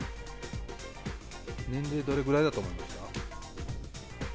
年齢はどれくらいだと思いますか？